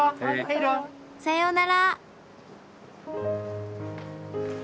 さようなら。